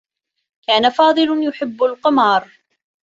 كان فاضل يحبّ القمار.